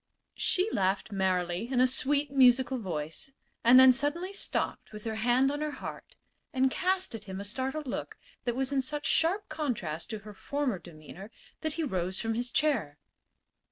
She laughed merrily in a sweet, musical voice, and then suddenly stopped with her hand on her heart and cast at him a startled look that was in such sharp contrast to her former demeanor that he rose from his chair.